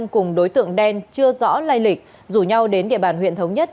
cùng đối tượng đen chưa rõ lai lịch rủ nhau đến địa bàn huyện thống nhất